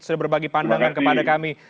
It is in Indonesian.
sudah berbagi pandangan kepada kami